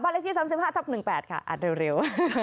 บ้านเลขที่๑๕๑๘ค่ะเร็ว